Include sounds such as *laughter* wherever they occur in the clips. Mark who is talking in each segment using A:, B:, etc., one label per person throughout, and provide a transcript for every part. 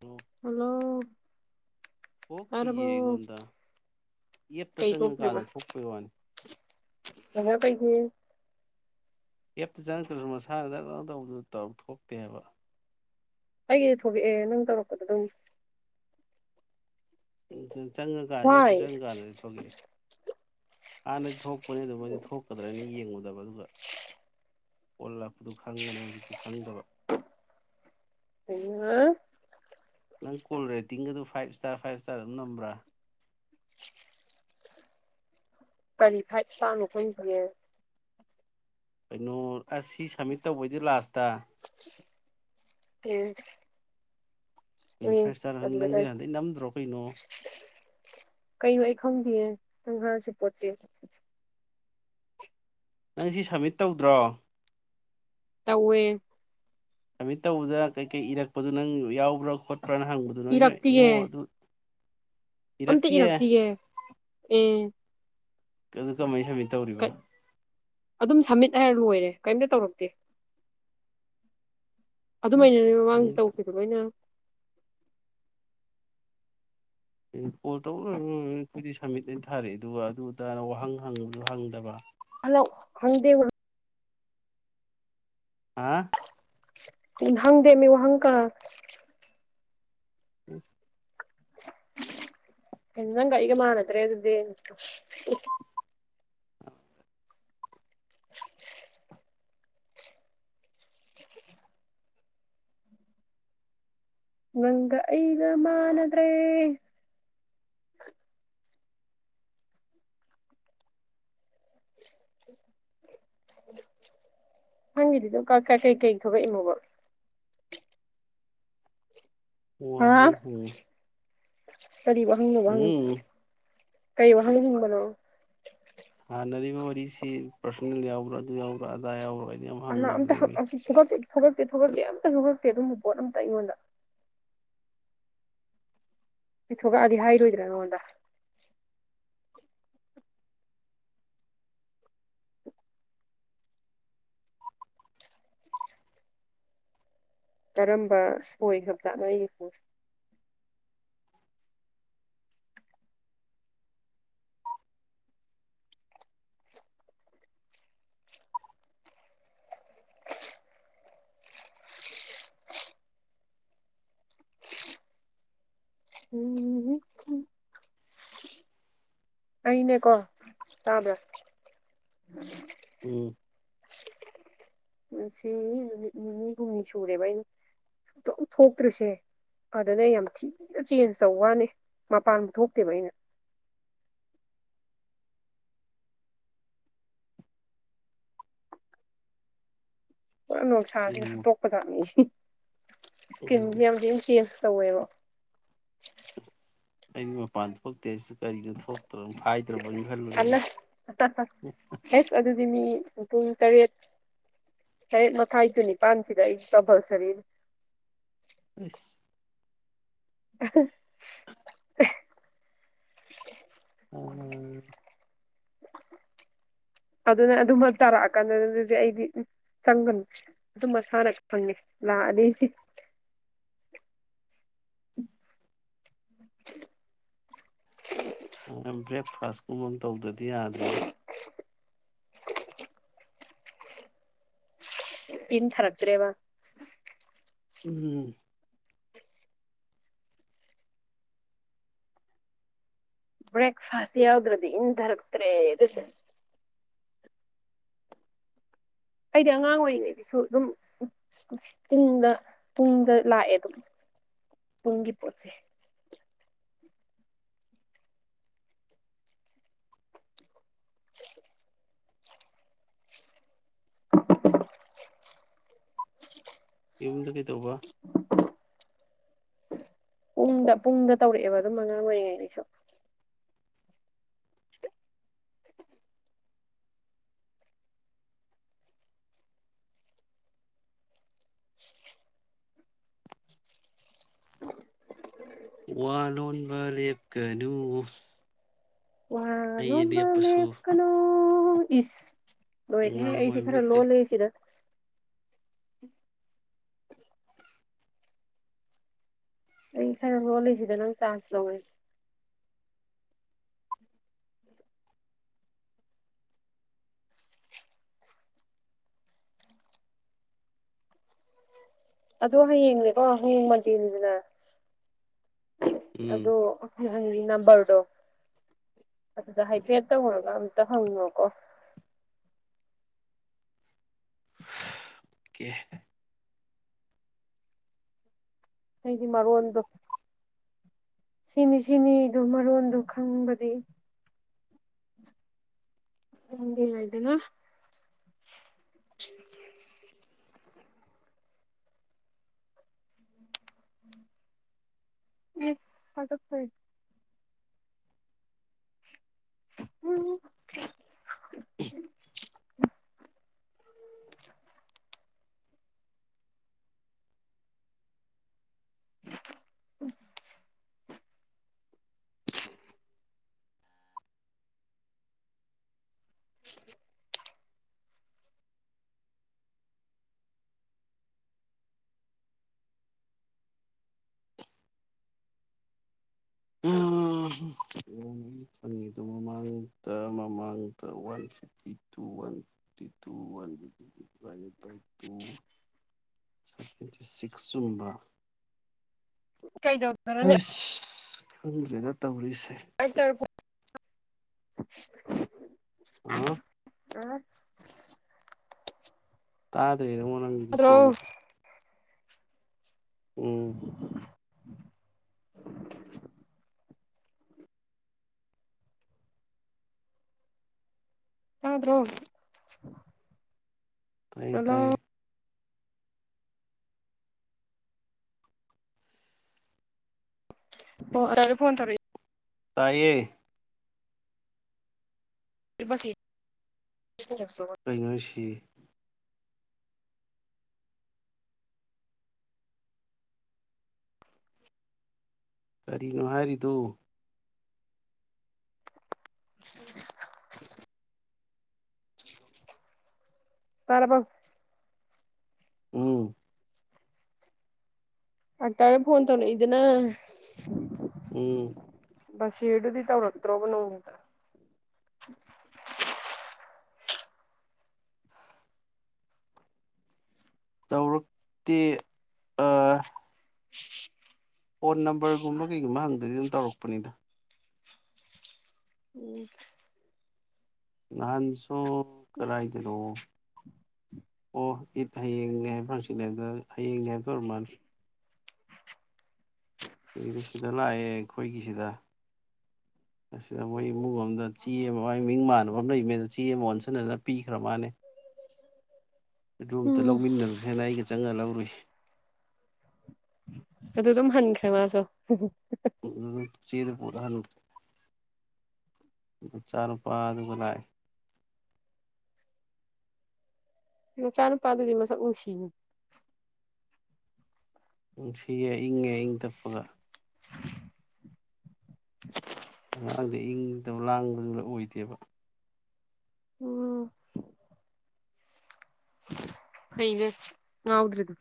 A: ꯑꯣ
B: ꯍꯜꯂꯣ
A: ꯑꯣꯛꯇꯤꯌꯦ
B: ꯇꯥꯔꯕꯣ
A: ꯑꯩꯉꯣꯟꯗ ꯌꯦꯠꯇ
B: ꯀꯩ ꯊꯣꯛꯇ꯭ꯔꯤꯕ
A: ꯆꯪꯉꯀꯥꯟꯗ ꯊꯣꯛꯄꯩ ꯋꯥꯅꯤ
B: *unintelligible*
A: ꯑꯦꯞꯇ ꯆꯪꯉꯛꯇ꯭ꯔꯖꯨ ꯃꯁꯥꯅ *unintelligible* ꯇꯧꯕꯗꯨ ꯇꯧ ꯊꯣꯛꯇꯦ ꯍꯥꯏꯕ
B: ꯑꯩꯒꯤꯗ ꯊꯣꯛꯂꯛꯑꯦ ꯅꯪ ꯇꯧꯔꯛꯄꯗꯗꯨꯝ
A: ꯁꯨꯝ ꯁꯨꯝ ꯆꯪꯉꯀꯥꯟ ꯑꯦꯞꯇꯨ
B: ꯋꯥꯏ
A: ꯆꯪꯉꯀꯥꯟꯗꯗꯤ ꯊꯣꯛ ꯊꯣꯛꯂꯛꯑꯦ ꯍꯥꯟꯅ ꯊꯣꯛꯄꯅꯦ ꯑꯗꯨ ꯃꯣꯏꯗꯤ ꯊꯣꯛꯀꯗ꯭ꯔꯅ ꯌꯦꯡꯉꯨꯗꯕ ꯑꯗꯨꯒ ꯑꯣꯜ ꯂꯥꯛꯄꯗꯨ ꯈꯪꯕꯅꯦ ꯍꯧꯖꯤꯛꯇꯤ ꯈꯪꯗꯕ
B: ꯑ
A: ꯅꯪ ꯀꯣꯜ ꯔꯦꯇꯤꯡ ꯒꯗꯨ ꯐꯥꯏꯞ ꯏꯁꯇꯥꯔ ꯐꯥꯏꯞ ꯏꯁꯇꯥꯔ ꯑꯗꯨꯝ ꯅꯝꯕ꯭ꯔꯥ
B: *inaudible* ꯀꯔꯤ ꯐꯥꯏꯞ ꯏꯁꯇꯥꯔꯅꯣ ꯈꯪꯗꯤꯌꯦ
A: ꯀꯩꯅꯣ ꯑꯁ ꯁꯤ ꯁꯝꯃꯤꯠ ꯇꯧꯕꯩꯗꯣ ꯂꯥꯁꯇ
B: *inaudible* ꯑꯦ
A: ꯐꯥꯏꯞ ꯏꯁꯇꯥꯔ
B: ꯑꯗꯨꯗ
A: ꯅꯪꯗꯤ
B: ꯂꯩ
A: ꯅ ꯍꯟꯗꯩ ꯅꯝꯗ꯭ꯔꯣ ꯀꯩꯅꯣ
B: ꯀꯩꯅꯣ ꯑꯩ ꯈꯪꯗꯤꯌꯦ ꯅꯪ ꯍꯥꯏꯔꯤꯁꯤ ꯄꯣꯠꯁꯦ
A: ꯅꯪ ꯁꯤ ꯁꯞꯃꯤꯠ ꯇꯧꯗ꯭ꯔꯣ
B: ꯇꯧꯋꯦ
A: ꯁꯃꯤꯠ ꯇꯧꯕꯗ ꯀꯩꯀꯩ ꯏꯔꯛꯄꯗꯨ ꯅꯪ ꯌꯥꯎꯕ꯭ꯔꯥ ꯈꯣꯠꯄ꯭ꯔꯥꯅ ꯍꯪꯕꯗꯨ ꯅꯣꯏ ꯅꯣꯏ ꯅꯣ
B: ꯏꯔꯛꯇꯤꯌꯦ
A: ꯑꯗꯨ
B: ꯑꯝꯇ ꯏꯔꯛꯇꯤꯌꯦ ꯑꯦ
A: ꯑꯗꯨ ꯀꯃꯥꯏꯅ ꯁꯃꯤꯠ ꯇꯧꯔꯤꯕ
B: ꯀꯩ ꯑꯗꯨꯝ ꯁꯝꯃꯤꯠ ꯍꯥꯏꯔ ꯂꯣꯏꯔꯦ ꯀꯩꯔꯤꯝꯇ ꯇꯧꯔꯛꯇꯦ ꯑꯗꯨꯃꯥꯏꯅꯅꯦ ꯃꯃꯥꯡꯁꯨ ꯇꯧꯈꯤꯕꯗꯣ ꯂꯣꯏꯅ
A: ꯀꯣꯜ ꯇꯧ ꯂꯣꯏꯔꯗꯤ ꯑꯩꯈꯣꯏꯗꯤ ꯁꯝꯃꯤꯠ ꯑ ꯊꯥꯔꯛꯑꯦ ꯑꯗꯨꯒ ꯑꯗꯨꯇꯥꯔ ꯋꯥꯍꯪ ꯍꯪꯕꯗꯨ ꯍꯪꯗꯕ
B: ꯍꯜꯂꯣ ꯍꯪꯗꯦ
A: ꯍꯥ
B: ꯍꯪꯗꯦꯃꯤ ꯋꯥꯍꯪꯀꯥ
A: *inaudible*
B: ꯅꯪꯒꯥ ꯑꯩꯒꯥ ꯃꯥꯟꯅꯗꯔꯦ
A: *inaudible*
B: *inaudible* ꯅꯪꯒꯑꯩꯒ ꯃꯥꯅꯗ꯭ꯔꯦ ꯅꯪꯒꯤꯗꯨꯗ ꯀ ꯀꯩ ꯀꯩ ꯊꯣꯛꯂꯛꯏꯃꯣꯕ ꯍꯥ
A: ꯋꯥꯍꯪ ꯍꯪꯉꯦ
B: ꯀꯔꯤ ꯋꯥꯍꯪꯅꯣꯕ
A: ꯎꯝ
B: ꯍꯪꯉꯤꯁꯤ ꯀꯔꯤ ꯋꯥꯍꯪ ꯍꯪꯕꯅꯣ
A: ꯍꯥꯟꯅꯔꯤꯕ ꯋꯥꯔꯤꯁꯤ ꯄꯔꯁꯣꯅꯦꯜ ꯌꯥꯎꯕ꯭ꯔꯥ ꯑꯗꯨ ꯌꯥꯎꯕ꯭ꯔꯥ ꯑꯗꯥ ꯌꯥꯎꯕꯔ
B: ꯑꯗꯣ ꯑꯝꯇꯥ ꯍꯪ ꯊꯣꯛꯂꯛꯇꯦ ꯊꯣꯛꯂꯛꯇꯦ ꯑꯝꯇ ꯊꯣꯛꯂꯛꯇꯦ ꯑꯗꯨꯨꯝꯕ ꯄꯣꯠ ꯑꯝꯇ ꯑꯩꯉꯣꯟꯗ ꯊꯣꯛꯂꯛꯑꯗꯤ ꯍꯥꯏꯔꯣꯏꯗ꯭ꯔꯥ ꯅꯉꯣꯟꯗ ꯀꯔꯝꯕ ꯑꯣꯏꯒꯞꯆꯥꯅꯣ ꯑꯩꯒꯤꯗꯤ ꯎꯝ ꯑꯩꯅꯦꯀꯣ ꯇꯥꯕ꯭ꯔꯥ
A: ꯎꯝ
B: ꯉꯁꯤ ꯅꯨꯃꯤꯠ ꯅꯤꯅꯤ ꯍꯨꯝꯅꯤ ꯁꯨꯔꯦꯕ ꯑꯩꯅꯁꯨꯡꯊꯣꯛ ꯊꯣꯛꯇ꯭ꯔꯤꯁꯦ ꯑꯗꯨꯅ ꯑꯩ ꯌꯥꯝ ꯊꯤꯅ ꯆꯦꯟꯖ ꯇꯧ ꯋꯥꯅꯤ ꯃꯄꯥꯟꯊꯣꯛꯇꯦꯕ ꯑꯩꯅ ꯄꯨꯔꯥ
A: ꯀꯩꯅꯣ
B: ꯅꯨꯡꯁꯥꯥꯁꯤꯅ ꯍꯥꯠꯇꯣꯛꯄ ꯆꯥꯠꯅꯤ ꯑꯩꯁꯦ ꯏꯁꯀꯤꯟꯁꯦ ꯌꯥꯝ ꯆꯦꯟꯖ ꯇꯧꯋꯦꯕ
A: ꯑꯩꯩꯗꯤ ꯃꯄꯥꯟ ꯊꯣꯛꯇꯦ ꯑꯩꯁꯨ ꯀꯔꯤꯅꯣ ꯊꯣꯛꯇ꯭ꯔꯣꯅꯣ ꯑꯥꯏꯇ꯭ꯔꯕꯣ ꯀꯩꯝ
B: ꯑꯅ
A: ꯈꯟꯂꯨꯅꯨꯁꯦ
B: ꯑꯦꯁ ꯑꯗꯨꯗꯤ ꯃꯤ ꯄꯨꯡ ꯇꯔꯦꯠ ꯇꯥꯔꯦꯠ ꯃꯥꯈꯥꯏ ꯇꯨ ꯅꯤꯄꯥꯟꯁꯤꯗꯥ ꯑꯩ ꯀꯄꯜꯁꯥꯔꯤꯅꯤ
A: ꯑꯁ
B: *inaudible*
A: ꯑ
B: ꯑꯗꯨꯅ ꯑꯗꯨꯝꯕ ꯇꯥꯔꯑꯀꯥꯟꯗ ꯗꯨꯗꯤ ꯑꯩꯗꯤ ꯆꯪꯒꯅꯨ ꯇꯨꯝ ꯃꯁꯥꯅ ꯈꯪꯉꯦ ꯂꯥꯑꯅꯦꯁꯦ
A: ꯕ꯭ꯔꯦꯛꯐꯥꯁ ꯀꯨꯝꯕ ꯑꯝ ꯇꯧꯗꯔ꯭ ꯗꯤ ꯌꯥꯗ꯭ꯔꯦꯗ
B: ꯏꯟ ꯊꯔꯛꯇꯔꯦ ꯋꯥ
A: ꯎꯝ
B: ꯕ꯭ꯔꯦꯛꯐꯥꯥꯁ ꯌꯥꯎꯗ꯭ꯔꯗꯤ ꯏꯟꯊꯔꯛꯇ꯭ꯔꯦ *unintelligible* ꯑꯩꯗꯤ ꯑꯉꯥꯡ ꯑꯣꯏꯔꯤꯉꯩꯗꯁꯨ ꯗꯨꯝ ꯄꯨꯡꯗ ꯄꯨꯡꯗ ꯂꯥꯑꯦ ꯗꯨꯝ ꯄꯨꯡꯒꯤ ꯄꯣꯠꯁꯦ *unintelligible*
A: ꯌꯨꯝꯗ ꯀꯩꯗꯧꯕ
B: ꯄꯨꯡꯗ ꯄꯨꯡꯗ ꯇꯧꯔꯦꯑꯦꯕ ꯑꯗꯨꯝ ꯑꯉꯥꯡ ꯑꯣꯏꯔꯤꯉꯩꯗꯩꯁꯨ
A: ꯋꯥ ꯂꯣꯟꯕ ꯂꯦꯞꯀꯅꯨ ꯑꯩ ꯂꯦꯞꯄꯁꯨ
B: ꯑꯣ ꯏꯁ ꯂꯣꯏꯔꯦꯍꯦ
A: ꯉꯥꯡꯉꯣꯏ
B: ꯑꯩꯁꯦ ꯈꯔ
A: ꯅꯠꯇꯦ
B: ꯂꯣꯜꯂꯦ ꯁꯤꯔ ꯑꯩ ꯈꯔ ꯂꯣꯜꯂꯦꯖꯤꯗ ꯅꯪ ꯆꯥꯟꯁ ꯂꯧꯔꯦ ꯑꯗꯣ ꯍꯌꯦꯡꯅꯦꯀꯣ ꯍꯌꯦꯡ ꯃꯟꯗꯦꯅꯤꯗꯅ
A: ꯎꯝ
B: ꯑꯗꯣ *unintelligible* ꯅꯝꯕꯔꯗꯣ ꯑꯗꯨꯗ ꯍꯥꯏꯐꯦꯠ ꯇꯧꯔꯒ ꯑꯝꯇ ꯍꯪꯉꯣꯀꯣ
A: ꯀꯦ
B: ꯍꯥꯏꯗꯤ ꯃꯔꯣꯟꯗꯣ ꯁꯤꯅꯤ ꯁꯤꯅꯤꯗꯨ ꯃꯔꯣꯟꯗꯨ ꯈꯪꯕꯗꯤ ꯈꯪꯒꯦ ꯌꯥꯏꯗꯅ ꯏꯁ ꯍꯥꯒꯠꯆꯩ ꯎꯝ
A: *unintelligible* *unintelligible*
B: *unintelligible* *unintelligible*
A: ꯑꯥ ꯍꯥ *unintelligible* *unintelligible* ꯆꯪꯉꯤꯗꯨ ꯃꯃꯥꯡꯗ ꯃꯃꯥꯡꯗ ꯋꯥꯟ ꯐꯤꯐꯇꯤ ꯇꯨ ꯋꯥꯟ ꯇꯤꯇꯨ ꯋꯥꯟ *unintelligible* ꯇꯨ ꯁꯚꯦꯟꯇꯤ ꯁꯤꯛꯁ ꯆꯨ
B: ꯀꯩꯗꯧꯗꯅꯅꯦ
A: ꯑꯩꯁ ꯈꯪꯗ꯭ꯔꯦꯗ ꯇꯧꯔꯤꯁꯦ ꯑ
B: *unintelligible*
A: ꯇꯥꯗ꯭ꯔꯦ ꯅꯉꯣ ꯅꯪꯒꯤꯗꯨ ꯁꯦꯡꯅ ꯎꯝ
B: *unintelligible* ꯇꯥꯗꯔꯣ
A: ꯇꯥꯏꯌꯦ
B: ꯍꯜꯂꯣ
A: ꯇꯥꯏꯌꯦ
B: ꯑꯣ *unintelligible* ꯐꯣꯟ ꯇꯧꯔꯦ
A: ꯇꯥꯏꯌꯦ
B: *unintelligible*
A: ꯀꯩꯅꯣꯍꯩꯁꯤ ꯀꯔꯤꯅꯣ ꯍꯥꯏꯔꯤꯗꯣ
B: *unintelligible* ꯇꯥꯔꯕꯣ
A: ꯎꯝ
B: *unintelligible* ꯐꯣꯟ ꯇꯧꯔꯛꯏꯗꯅꯥ
A: ꯎꯝ
B: *unintelligible* ꯇꯧꯔꯛꯇ꯭ꯔꯣꯕ ꯅꯣꯡꯇꯥ
A: *inaudible* ꯇꯧꯔꯛ ꯇꯦ ꯑꯥ ꯐꯣꯟ ꯅꯝꯕꯔꯒꯨꯝꯕ ꯀꯩꯒꯨꯝꯕ ꯍꯪꯗꯗꯤ ꯑꯗꯨꯝ ꯇꯧꯔꯛꯄꯅꯤꯗ
B: ꯎꯝ
A: ꯅꯍꯥꯟꯁꯨ ꯀꯗꯥꯏꯗꯅꯣ ꯑꯣ ꯑꯤꯠ ꯍꯌꯦꯡꯅꯦ ꯍꯥꯏꯕ꯭ꯔꯥ ꯍꯥꯡꯆꯤꯠꯅꯦ ꯍꯥꯏꯕ꯭ꯔꯥ ꯍꯌꯦꯡꯅꯦ ꯍꯥꯏꯕ ꯑꯣꯏꯃꯥꯟ ꯀꯩꯗꯣ ꯁꯤꯗ ꯂꯥꯛꯑꯦ ꯑꯩꯈꯣꯏꯒꯤꯁꯤꯗ
B: *inaudible*
A: ꯑꯁꯤꯗ ꯃꯣꯏ ꯏꯃꯨꯡ ꯑꯃꯗ ꯆꯦ ꯑꯃ ꯃꯥꯏ ꯃꯤꯡ ꯃꯥꯟꯅꯕ ꯑꯃ ꯂꯩꯕꯅꯦ ꯑꯗ ꯆꯦ ꯑꯃ ꯑꯣꯟꯁꯟꯅꯅ ꯄꯤꯈ꯭꯭ꯔꯥ ꯃꯥꯅꯦ ꯑꯗꯨ ꯑꯝꯇ
B: ꯎꯝ
A: ꯂꯧꯃꯤꯟꯅꯔꯨꯁꯦꯅ ꯑꯩꯒ ꯆꯪꯉꯥ ꯂꯧꯔꯨꯏ
B: ꯑꯗꯨ ꯑꯗꯨꯝ ꯍꯟꯈ꯭ꯔꯦ ꯃꯥꯁꯨ
A: *unintelligible* ꯆꯦꯗꯣ ꯄꯨꯔꯥ ꯍꯟ ꯃꯆꯥꯅꯨꯄꯥꯗꯨꯒ ꯂꯥꯛꯑꯦ
B: ꯃꯆꯥꯅꯨꯄꯥꯗꯨꯗꯤ ꯃꯁꯛ ꯅꯨꯡꯁꯤꯅꯤ
A: ꯅꯨꯡꯁꯤꯌꯦ ꯏꯪꯉꯦ ꯏꯪ ꯇꯞꯄꯒ
B: *unintelligible*
A: ꯑꯉꯥꯡꯗ ꯏꯪꯗꯧ ꯂꯥꯡꯕꯗꯨ ꯑꯣꯏꯗꯦꯕ
B: ꯎꯝ ꯐꯩꯅꯦ ꯉꯥꯎꯗ꯭ꯔꯤꯗꯨ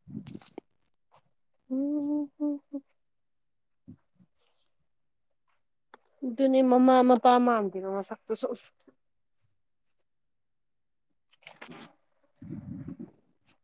B: *unintelligible* ꯑꯗꯨꯅꯦ ꯃꯃꯥ ꯃꯄꯥ ꯃꯥꯟꯗꯦꯕ ꯃꯁꯛꯇꯨꯁꯨ *inaudible*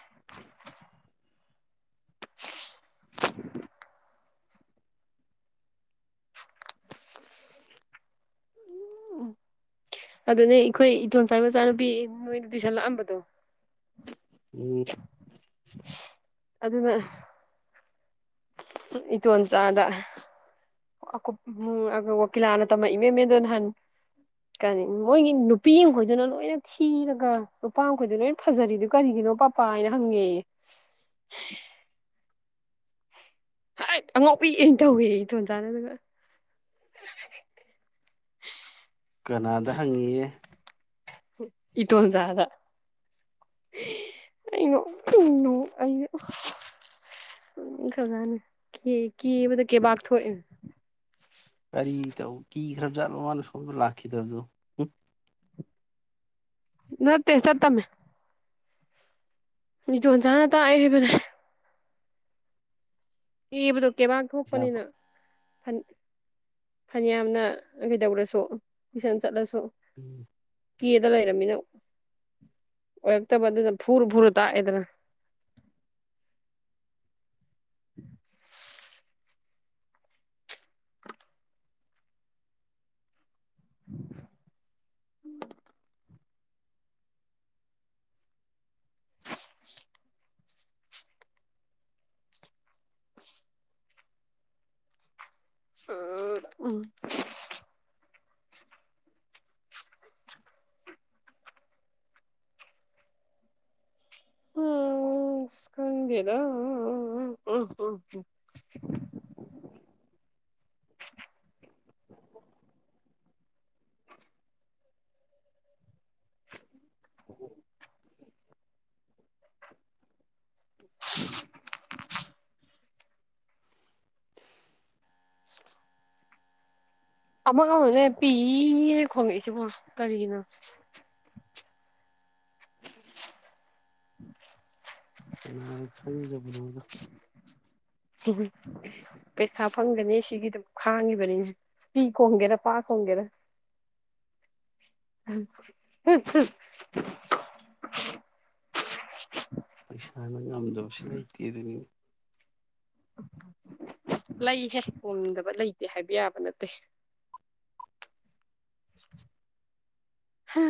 B: *unintelligible* *unintelligible* ꯎꯝ ꯑꯗꯨꯅꯦ ꯑꯩꯈꯣꯏ ꯏꯟꯗꯣꯝ ꯆꯥꯏ ꯃꯆꯥꯅꯨꯄꯤ ꯅꯣꯏꯗ ꯇꯨꯏꯁꯟ ꯂꯥꯛꯑꯝꯕꯗꯣ *unintelligible*
A: ꯎꯝ
B: ꯑꯗꯨꯅ ꯏꯇꯣꯟꯆꯥꯗ *unintelligible* ꯃꯤꯗꯣ ꯅꯍꯟ ꯀꯔꯤ ꯃꯣꯏꯒꯤ ꯅꯨꯄꯤ ꯃꯈꯣꯏꯗꯨꯅ ꯂꯣꯏꯅ ꯊꯤꯔꯒ ꯅꯨꯄꯥ ꯃꯈꯩꯗꯨꯅ ꯂꯣꯏꯅ ꯐꯖꯔꯤꯗꯨ ꯀꯔꯤꯒꯤꯅꯣ *unintelligible* ꯄꯥꯏꯅ ꯍꯪꯉꯦꯌꯦ ꯍꯩꯠ ꯑꯉꯥꯎꯕꯤꯅ ꯇꯧꯋꯦꯌꯦ ꯏꯇꯣꯟ ꯆꯥꯟꯅꯗꯒ
A: ꯀꯅꯥꯗ ꯍꯪꯉꯤꯌꯦ
B: ꯏꯇꯣꯟꯆꯥꯗ ꯑꯩ ꯅꯣꯛꯅꯤꯡ ꯅꯣꯛ ꯑꯩꯩꯅ *unintelligible* ꯀꯦ ꯀꯦꯕꯗ ꯀꯦꯕꯥꯛ ꯊꯣꯛꯏꯝ
A: ꯀꯔꯤ ꯇꯧ ꯀꯤꯈ꯭ꯔꯕ ꯖꯥꯠꯂꯣ ꯃꯥꯅ ꯁꯣꯝꯗ ꯂꯥꯛꯈꯤꯗꯕꯗꯨ
B: ꯅꯠꯇꯦ ꯆꯠꯇꯝꯅꯦ ꯃꯤꯇꯣꯟꯆꯥꯅ ꯇꯥꯛꯑꯦ ꯍꯥꯏꯕꯅꯦ ꯀꯦꯕꯗꯣ ꯀꯩꯕꯥꯥꯛ
A: ꯏꯁꯥꯕꯨ
B: ꯊꯣꯛꯄꯅꯤꯅ ꯐꯟ ꯐꯅꯌꯥꯝꯅ ꯀꯩꯗꯧꯔꯁꯨ ꯇꯨꯏꯁꯟ ꯆꯠꯂꯁꯨ
A: ꯎꯝ
B: ꯀꯦꯗ ꯂꯩꯔꯕꯃꯤꯅ ꯑꯣꯏꯔꯛꯇꯕ ꯑꯗꯨꯅ ꯐꯨꯔ ꯐꯨꯔ ꯇꯥꯛꯑꯦꯗꯅ *unintelligible* ꯎꯝ ꯑ ꯎꯝ *unintelligible* ꯏꯁ ꯈꯪꯗꯦꯗ *unintelligible* *inaudible* *unintelligible* ꯑꯃꯒꯅꯦ ꯄꯤꯅ ꯈꯣꯡꯉꯛꯏꯁꯤꯕꯣ ꯀꯔꯤꯒꯤꯅꯣ
A: ꯀꯅꯥꯅ ꯈꯪꯖꯕꯅꯣꯗ
B: ꯇꯕꯨ ꯄꯩꯁꯥ ꯐꯪꯒꯅꯤ ꯁꯤꯒꯤ ꯗꯨꯝ ꯈꯥꯡꯉꯤꯕꯅꯤ ꯄꯤ ꯈꯣꯡꯒꯦꯔ ꯄꯥ ꯈꯣꯡꯒꯦꯔꯥ *unintelligible*
A: ꯄꯩꯁꯥꯅ ꯉꯝꯗꯕꯁꯨ ꯂꯩꯇꯦ ꯑꯗꯨꯅꯤꯅꯦ
B: ꯂꯩꯍꯦ ꯍꯣꯡꯗꯕ ꯂꯩꯇꯦ ꯍꯥꯏꯕ ꯌꯥꯕ ꯅꯠꯇꯦ ꯍꯥ